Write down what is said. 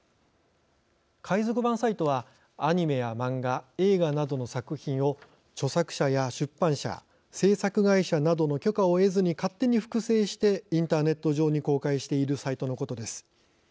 海賊版サイトはアニメや漫画、映画などの作品を著作者や出版社、製作会社などの許可を得ずに勝手に複製してインターネット上に公開しているサイトのことです。